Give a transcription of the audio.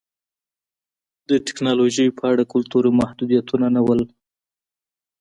د ټکنالوژۍ په اړه کلتوري محدودیتونه نه وو